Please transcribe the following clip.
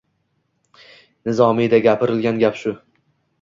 Nizomiyda gapirilgan gap shu.